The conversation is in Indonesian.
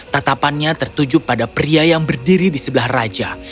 tatapannya tertuju pada pria yang berdiri di sebelah raja